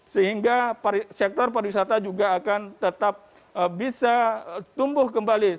sehingga sektor pariwisata juga akan tetap bisa tumbuh kembali